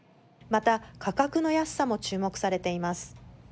また価格の安さも注目されています。